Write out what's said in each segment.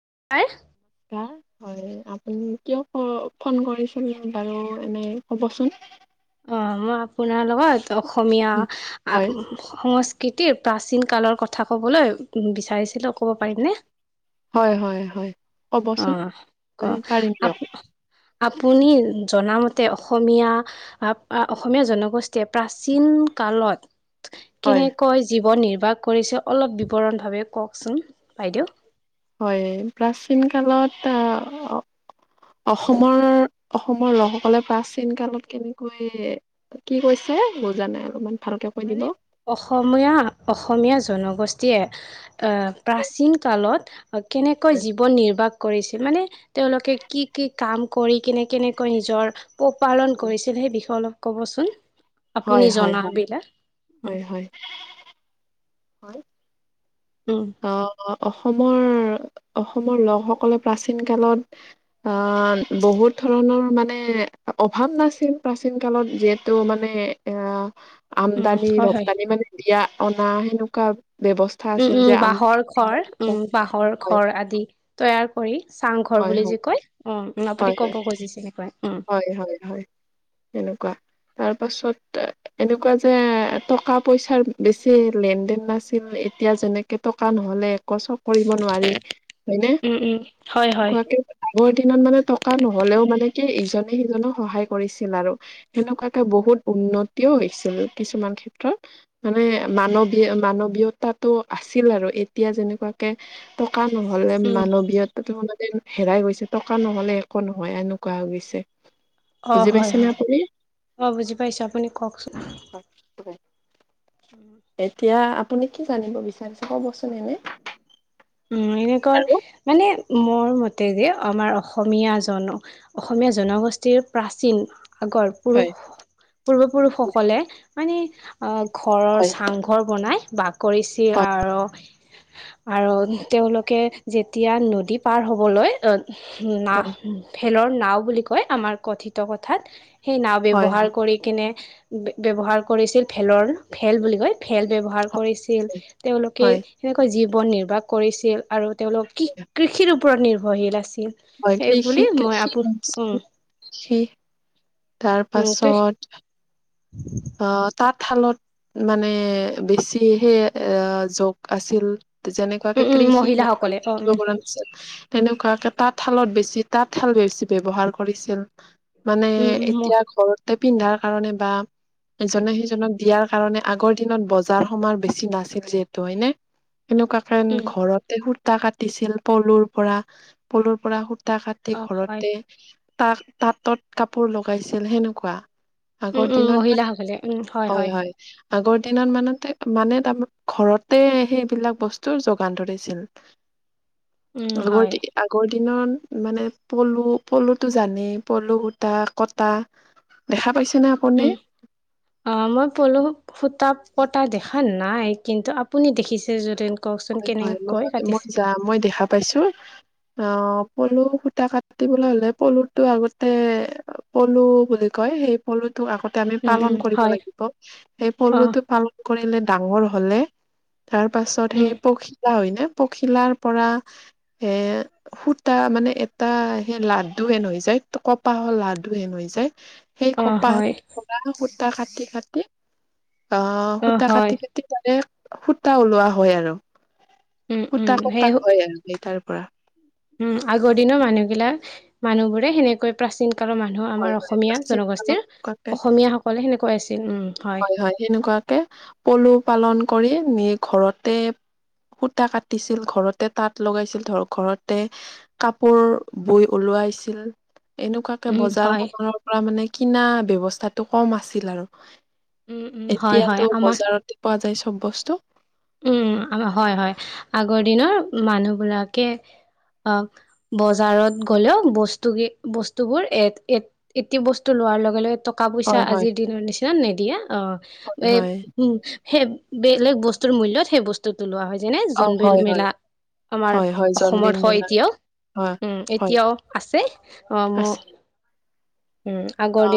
[unintelligible] বা হয়, আপুনি কিয় ফ-ফোন কৰিছিল বাৰু এনে ক'বচোন। অ', মই আপোনাৰ লগত, অসমীয়া উম, আ হয় সং কৃতিৰ প্ৰাচীন কালৰ কথা ক'বলৈ বিচাৰিছিলো, ক'ব পাৰিমনে? হয় হয় হয় ক'বচোন, অ', ক পাৰিম আপ দিয়ক। আপুনি জনামতে অসমীয়া আ, অসমীয়া জনগোষ্ঠীয়ে প্ৰাচীন কালত, হয় কেনেকৈ জীৱন নিৰ বাহ কৰিছে, অলপ বিৱৰণ ভাৱে কওকচোন বাইদেউ। হয়, প্ৰাচীন কালত আ অসমৰ, অসমৰ লোকসকলে প্ৰাচীন কালত কেনেকৈ কি কৈছে কে বুজা নাই অলপমান। ভালকে কৈ দিব মানে অসমীয়া, অসমীয়া জনগোষ্ঠীয়ে আ প্ৰাচীন কালত, কেনেকৈ জীৱন নিৰ্বাহ কৰিছিল? মানে তেওঁলোকে কি কি কাম কৰি কিনে কেনেকৈ নিজৰ পোহ পালন কৰিছিল, সেই বিষয়ে অলপ ক'বচোন হয় আপুনি হয় হয় জনাবিলাক। উম হয় হয়। উম অ', অ', অস অসমৰ, অসমৰ লোকসকলে প্ৰাচীন কালত আহ বহুত ধৰণৰ মানে অভাৱ নাছিল প্ৰাচীন কালত যিহেতু মানে এ উম আমদানি হয় হয় ৰপ্তানি মানে দিয়া অনা সেনেকুৱা ব্যৱস্থা আছিল। উ যে আমি বাঁহৰ ঘৰ উম, বাঁহৰ হয় ঘৰ আদি তৈয়াৰ কৰি চাং ঘৰ হয় বুলি হয় যে কয়, অ' আপুনি হয় ক'ব খুজিছে এনেকুৱাই। হয় হয় হয়, তেনেকুৱা। তাৰ পাছত এনেকুৱা যে টকা-পইচাৰ বেছি লেন-দেন নাছিল। এতিয়া যেনেকে টকা নহ'লে একো চব কৰিব নোৱাৰি, হয়নে? উম উম হয় হয় [unintelligible] আগৰ দিনত মানে টকা নহলেও মানে কে ইজনে-সিজনক সহায় কৰিছিল আৰু সেনেকুৱাকে বহুত উন্নতিও হৈছিল, কিছুমান ক্ষেত্ৰত, মানে মানৱীয়-মানৱীয়তাটো আছিল আৰু এতিয়া যেনেকুৱাকে টকা নহলে উম মানৱীয়তাটো মানে হেৰাই গৈছে, টকা নহ'লে একো নহয় এনো কুৱা হৈ গৈছে। অ বুজি হয় পাইছেনে হয় আপুনি? অ বুজি পাইছো আপুনি কওকচোন এতিয়া আপুনি কি জানিব বিচাৰিছে? কবচোন এনে। উম, এনেকুৱা আৰু মানে মোৰ মতে দি আমাৰ অসমীয়া জন, অসমীয়া জনগোষ্ঠীৰ প্ৰাচীন আগৰ হয় পুৰুষ, পূৰ্বপুৰুষসকলে মানে অ', ঘৰৰ হয় চাংঘৰ বনাই বাহ কৰিছি হয় আৰু আৰু তেওঁলোকে যেতিয়া নদী পাৰ হ'বলৈ, না ভেলৰ নাও বুলি কয় আমাৰ কথিত কথাত, সেই নাও হয় ব্যবহাৰ হয় কৰি কিনে বে-ব্যৱহাৰ কৰিছিল ভেলৰ, ভেল বুলি কয়। ভেল ব্যৱহাৰ কৰিছিল, তেওঁলোকে হয় সেনেকৈ জীৱন নিৰ্বাহ কৰিছিল আৰু তেওঁলোক কি কৃষিৰ ওপৰত নিৰ্ভৰশীল আছিল। হয় সেই কৃষি বুলি মই কৃষি আপো কৃষি উম তাৰ উম পাছত অহ তাঁতশালত মানে বেছিহে এহ যোগ আছিল। যেনেকুৱাকে উম উম কৃষি মহিলাসকলে অ উম পৰা নাছিল। তেনেকুৱাকে তাঁতশালত বেছি তাঁতশাল বেছি ব্যৱহাৰ কৰিছিল। মানে উম উম এতিয়া ঘৰতে পিন্ধাৰ কাৰণে বা ইজনে সিজনক দিয়াৰ কাৰণে আগৰ দিনত বজাৰ সমাৰ বেছি নাছিল যিহেতু হয়নে এনেকুৱা খন উম ঘৰতে সূতা কাটিছিল পলুৰ পৰা পলুৰ পৰা সূ তা কাটি অ হয় ঘৰতে তাক তাঁতত কাপোৰ লগাইছিল সেনেকুৱা উম আগৰ উম দিনত মহিলাসকলে উম হয় হয়। আগৰ দিনত মানতে মানে তা ঘৰতে সেইবিলাক বস্তু যোগান ধৰিছিল। উম হয় লগৰ আগৰ দি নত মানে পলু পলুটো জানেই পলু সূটা কটা। দেখা পাইছা নে উম আপুনি। অ' মই পলু সূতা পতা দেখা নাই। কিন্তু আপুনি দেখিছে যদি কওকচোন হয় হয় মই, কেনেকৈ মই কাটিছে? যাম মই দেখা পাইছোঁ। অ পলু সূতা কাটিবলৈ হ'লে পলুটো আগতে পলু বুলি কয়, সেই পলু আগতে আমি উম, পালন উম, কৰিব হয়। লাগিব। সেই অ', পলুটো পালন কৰিলে ডাঙৰ হ'লে তাৰ পাছত উম, সেই পখিলা হয় নে পখিলাৰ পৰা এ সূতা মানে এটা সে লা লাডু হেনো ইজাইত টো কপা হ'ল লাডু হেনো এজাইত সেই অ', কপাহ হয়, পৰা সূতা কাটি কাটি অহ অ', সূতা হয়, কাটি কাটি তাৰে সূতা ওলোৱা হয় আৰু। উম, উম, সূতা সেই কটা হয় আৰু সেই তাৰ পৰা উম, আগৰ দিনৰ মানুহবিলাক মানুহ বোৰে সেনেকৈ প্ৰাচীন কালৰ মানুহ হয় আমাৰ হয় অসমীয়াত প্ৰাচীন কালত জনগোষ্ঠীৰ সেনেকুৱাকে অসমীয়াসকলে সেনেকৈ আছি হয় হয় সেনেকুৱাকে পলু পালন কৰি নি ঘৰতে সূতা কাটিছিল। ঘৰতে তাঁত লগাইছিল, ধৰক ঘৰতে কাপোৰ বৈ ওলো ছিল এনেকুৱা। উম, বজাৰ হয়, সমনৰ পৰা মানে কিনা ব্যৱস্থাটো কম আছিল আৰু। উম, উম, হয়, হয়, এতিয়াতো আমাৰ বজাৰতে পোৱা যায় চব বস্তু। উম হয় হয়, আগৰ দিনৰ মানুহবিলাকে অ বজাৰত গ'লেও বস্তু কি বস্তুবোৰ এ এ এটি বস্তু ল পোৱাৰ লগে লগে। টকা পইচা হয়, হয়, আজিৰ দিনৰ নিচিনা নিদিয়া, অ হয়, এ হয়। উম সেই বেলেগ বস্তু টোৰ মূল্যত সেই বস্তুটো লোৱা হয়। যেনে অ', জোনবিল হয়, হয়, মেলা আমাৰ হয়, হয়, জোনবিল অসমত হয় মেলা এতিয়াও। হয়, উম হয়, এতিয়াও আছে অ মো আছে। অ,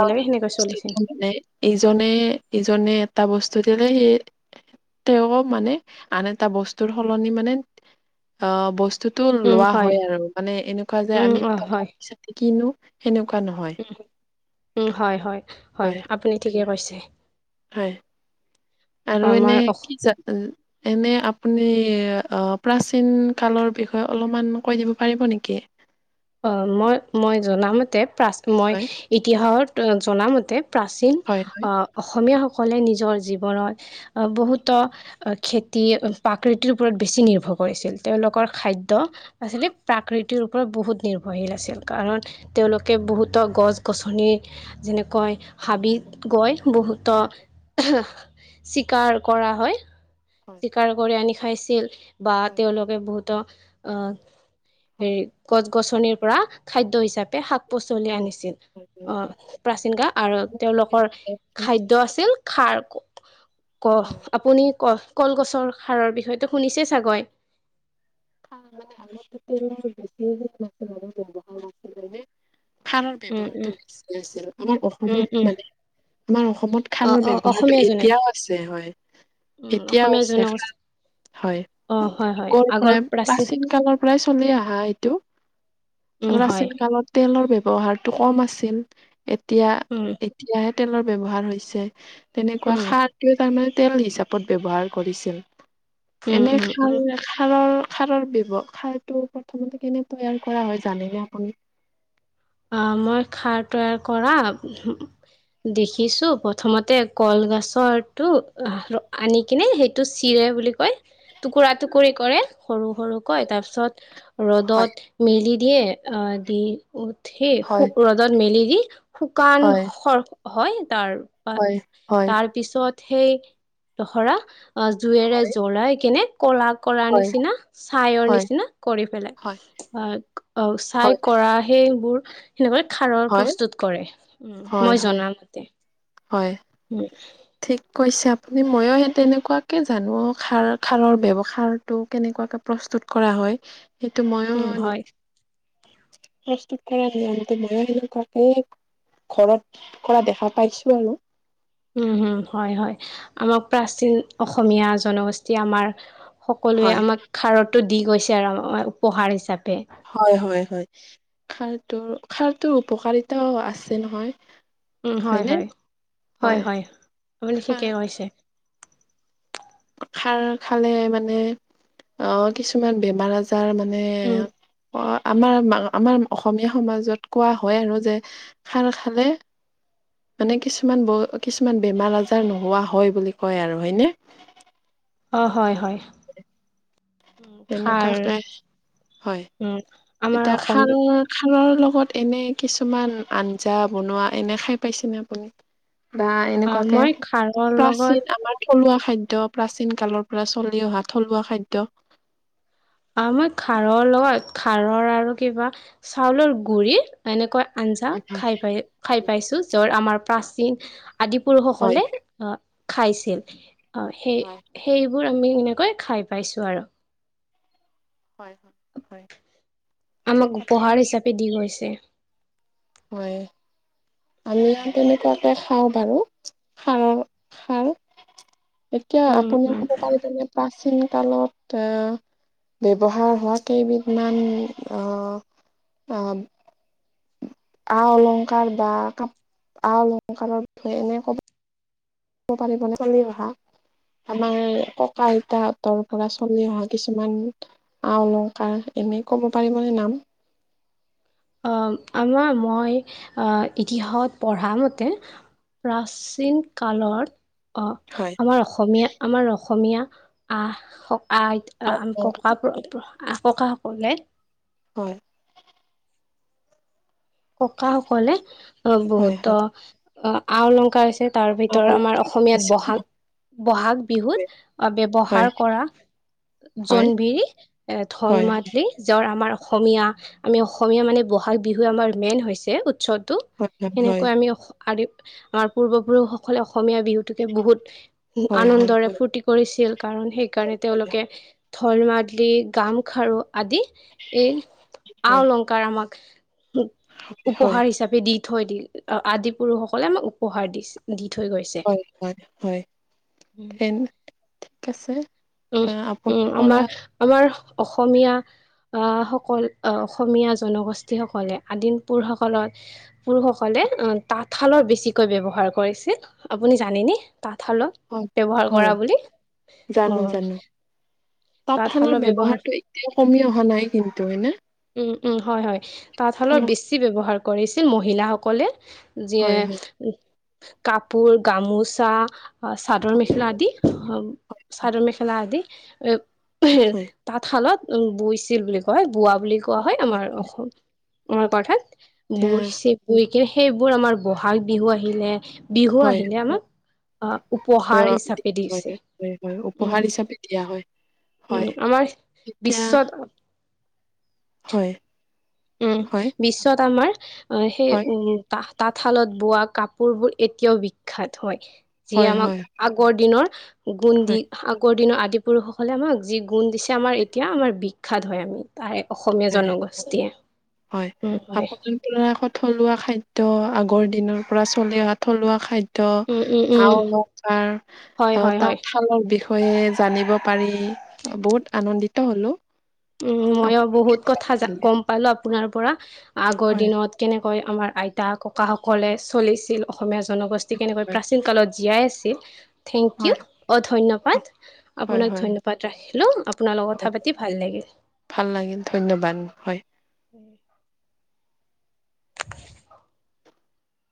বিলাকে সেনেকৈ চলিছিল মানে ইজনে ইজনে এটা বস্তু দিলে, সেই তেওঁ মানে আন এটা বস্তুৰ সলনি মানে আহ বস্তু স্তুটো লোৱা হয় আৰু মানে এনেকুৱা যে উম, আমি অ' টকা হয় পইচাতে কিনো সেনেকুৱা নহয়। উম, উম, হয় হয় হয় আপুনি ঠিকে কৈছে। হয় আৰু এনে আমাৰ অস কি জা এনে আপুনি অহ প্ৰাচীন কালৰ বিষয়ে অলমান কৈ দিব পাৰিব নেকি? অ' মই মই জনামতে প্ৰা মই হয়। ইতিহাসত জনামতে প্ৰাচীন হয়, হয়। অ অসমীয়া সকলে নিজৰ জীৱনত বহুতো খেতি প্ৰাকৃতিৰ ওপৰত বেছি নিৰ্ভৰ কৰিছিল। তেওঁলোকৰ খাদ্য আচিলি প্ৰাকৃতিৰ ওপৰত বহুত নিৰ্ভৰশীল আছিল। কাৰণ, তেওঁলোকে বহুতো গছ গছনি যেনেকৈ হাবিত গৈ বহুতো চিকাৰ কৰা হয়। হয়, হয়, চিকাৰ কৰি আনি খাইছিল বা হয়, তেওঁলোকে বহুতো আহ হেৰি হয়। গছ-গছনিৰ পৰা খাদ্য হিচাপে শাক পাচলি অ', আনিছিল। হয়, হয়, অ' হয়। প্ৰাচীন গা‌ আৰু তেওঁলোকৰ খাদ্য আছিল। খাৰ ক, ক হয়, আপুনি কহ কলগছৰ সাৰৰ বিষয়টো শুনিছে চাগৈ? ব [unintelligible] সাৰৰ উম ব্যৱহাৰতো উম বেছি আছিল আমাৰ উম অসমত উম মানে। আমাৰ অসমত অ খাৰৰ অ ব্যৱহাৰটো অসমীয়া জনে এতিয়াও আছে হয়। উম এতিয়াও অসমীয়া আছে জনগোষ্ঠী হয় অ হয় হয় আগৰ পৰাই প্ৰাচীন কালৰ পৰাই চলি আহা এইটো উম হয় প্ৰাচীন কালতে তেলৰ ব্যৱহাৰতো কম আছিল। এতিয়া উম এতিয়াহে তেলৰ ব্যৱহাৰ হৈছে তেনেকুৱা উম সাৰটোৱে তাৰমানে তেল হিচাপত ব্যবহাৰ কৰিছিল। উম এনে উম খাল উম এ খালৰ খাৰৰ ব্যৱহাৰ খাৰটো প্ৰথমতে কেনে তৈয়াৰ কৰা হয় জাননে আপুনি? আহ মই খাৰ তৈয়াৰ কৰা দেখিছো প্ৰথমতে কলগছৰ টো আনি কিনে সেইটো চিৰা- বুলি কয় টুকুৰা টুকুৰি কৰে। সৰু সৰু কয় তাৰ পিছত হয় ৰ'দত মেলি দিয়ে আহ দি উ সেই শু হয় ৰ'দত মেলি দি হয় শুকানৰ হয়। তাৰ হয় হয় তাৰ পিছত সেই ধৰা অ জুুইৱেৰে হয় জ্বলাই কেনে কলা কৰাৰ নিচিনা ছাইৰ হয় নিচিনা কৰি পেলাই হয় অ অ ছাই হয় কৰা সেইবোৰ সেনেকৈ খাৰৰ হয় হয় প্ৰস্তুত কৰে হয় মই জনা মতে হয় ঠিক কৈছে আপুনি মইও সেই তেনেকুৱাকে জানো খাৰ খাৰৰ ব্যৱহাৰটো কেনেকুৱাকে প্ৰস্তুত কৰা হয়। সেইটো মইও উম, হয়। প্ৰস্তুত কৰাৰ নামটো মইও ঘৰত কৰা দেখা পাইছোঁ আৰু উম হম হয় হয় আমাক প্ৰাচীন অসমীয়া জনগোষ্ঠী আমাৰ সকলোৱে হয় আমাক খাৰতো দি গৈছে আৰু আমাৰ উপহাৰ হিচাপে হয় হয় হয় খাৰটো খাৰটোৰ উপকাৰিতাও আছে নহয়। উম হয় হয়নে? হয় হয় হয় আপুনি ঠিকে খাৰ কৈছে খাৰ খালে মানে অ কিছুমান বেমাৰ আজাৰ তাৰ মানে উম, অহ আমাৰ আমাৰ অসমীয়া সমাজত কোৱা হয় আৰু যে খাৰ খালে মানে কিছুমান ব কিছুমান বেমাৰ আজাৰ নোহোৱা হয় বুলি কয় আৰু হয়নে। অঁ হয় হয়। উম, খাৰ, তেনেকুৱাকে উম, হয় আমাৰ এতিয়া অসম, খাৰৰ খাৰৰ লগত। এনে কিছুমান আঞ্জা বনোৱা এনে খাই পাইছেনে আপুনি? বা আ এনেকুৱাকে মই খাৰৰ লগত প্ৰাচীন আমাৰ থলুৱা খাদ্য খাদ্য প্ৰাচীন কালৰ পৰা চলি অহা থলুৱা খাদ্য অ মই খাৰৰ লগত খাৰৰ আৰু কিবা চাউলৰ গুৰি এনেকুৱা আঞ্জা খাই পাই খাই পাইছোঁ যত আমাৰ প্ৰাচীন আদি হয় পুৰুষসকলে অ খাইছিল অ সেই হয় সেইবোৰ আমি এনেকৈ খাই পাইছোঁ আৰু হয় হয় হয়। ঠিক আমাক কথা উপহাৰ কৈছা। হিচাপে দি গৈছে। হয় আমি তেনেকুৱাকে খাওঁ বাৰু খাৰ। এতিয়া উম আপুনি উম খুব পাল প্ৰাচীন কালত এ ব্যৱহাৰ হোৱা কেইবিধমান অহ অ আ অলংকাৰ বা ক আ অলংকাৰৰ বিষয়ে এনে ক কব পাৰিব পালি অহা আমাৰ ককা আইতাহতৰ পৰা চলি অহা কিছুমান আ অলংকাৰ এনে এ ক'ব পাৰিবনে নাম। অ আমাৰ মই ইতিহাসত পঢ়া মতে প্ৰাচীন কালত অ‌ হয় আমাৰ অসমীয়া আমাৰ অসমীয়া আ আহ হয় ককা ককাসকলে হয় ককাসকলে অ হয় বহুতো আ অলংকাৰ আছে তাৰ ভিতৰত আমাৰ অসমীয়াত হয় বহাগ বহাগ বিহুত, ব্যৱহাৰ হয় কৰা হয় জোনবিৰি, এ ঢল হয় মাদলি, যাৰ আমাৰ অসমীয়া, আমি অসমীয়া মানে বহাগ বিহু আমাৰ মেইন হৈছে উৎসৱ টো হয় হয় সেনেকৈ আমি অ আমাৰ পূৰ্বপুৰুষসকলে অসমীয়া বিহুটোকে বহুত, হয় আনন্দৰে হয় ফূৰ্তি কৰিছিল কাৰণ সেইকাৰণে হয় তেওঁলোকে ঢল মাদলি, গামখাৰু আদি, এই আ হয় অলংকাৰ আমাক হয় হয় উপহাৰ হিচাপে দি থৈ দিল, আদি পুৰুষসকলে আমাক উপহাৰ দিছে, দি থৈ গৈছে। হয়, হয়, হয় এন উম, উম পৰা আমাৰ আমাৰ অসমীয়া আ সকল অসমীয়া জনগোষ্ঠীসকলে আদিম পুৰুষসকলৰ, পুৰুষসকলে তাঁতশালৰ বেছিকৈ ব্যৱহাৰ কৰিছিল আপুনি জানানে তাতঁশালত হয় ব্যৱহাৰ হয় কৰা বুলি জানো উম জানো তাঁতশালৰ ব্যৱহাৰটো এতিয়া কমি অহা নাই কিন্তু হয়নে? উম-উম, হয়-হয় তাঁতশালৰ বেছি ব্যৱহাৰ কৰিছিল মহিলাসকলে যিয়ে হয় হয় কাপোৰ, গামোচা অ চাদৰ হয় মেখেলা আদি, চাদৰ মেখেলা আদি, এ হয় তাঁতশালত বৈছিল বুলি কোৱা হয়, বোৱা বুলি কোৱা হয়, আমাৰ অসম অৰ্থাৎ এতিয়া চপুৰি কিন্তু সেইবোৰ আমাৰ বহাগ বিহু আহিলে বিহু হয় আহিলে আমাক আহ উপহাৰ আহ, হিচাপে হয় দিছে, হয় হয় উম। উপহাৰ হিচাপে দিয়া হয় উম হয় আমাৰ এতিয়া বিশ্বত হয়। উম হয় বিশ্বত আমাৰ, অ সেই হয় উ তাহ তাঁতশালত বোৱা কাপোৰ বোৰ এতিয়াও বিখ্যাত হয় যিয়ে হয় আমাক হয় আগৰ দিনৰ গুণ হয় দি আগৰ দিনৰ আদি পুৰুষসকলে আমাক যি গুণ দিছে আমাৰ এতিয়া আমাৰ বিখ্যাত হয় আমি তাৰে অসমীয়া হয় জনগোষ্ঠীয়ে। হয় উম, হয় আপোনালোকে আকৌ থলুৱা খাদ্য আ আগৰ দিনৰ পৰা চলি অহা থলুৱা খা দ্য উম, উম, আ উম, অলংকাৰ হয়, হয়, হয়। তাঁতশালৰ বিষয় বিষয়ে জানিব পাৰি, বহুত আনন্দিত হ'লোঁ। উম, মইয়ো বহুত কথা, গম পালো আপোনাৰ পৰা, আগৰ হয়, দিনত কেনে কৈ হয় আমাৰ আইতা ককাসকলে চলিছিল, অসমীয়া জনগোষ্ঠী কেনেকৈ হয়, প্ৰাচীন কালত জীয়াই আছিল থেংক ইউ, হয়, অ ধন্যবাদ, হয়, আপোনাক হয়, ধন্যবাদ ৰাখিলোঁ, আপোনাল লগত হয়, কথা পাতি ভাল লাগিল। ভাল লাগিল, ধন্যবাদ হয়। উম [inaudible]